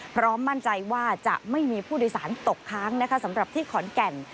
พร้อมมั่นใจว่าจะไม่มีผู้โดยสารตกค้างนะคะสำหรับที่ขอนแก่น